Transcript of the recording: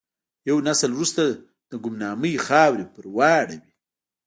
یو نسل وروسته به د ګمنامۍ خاورې پر واوړي.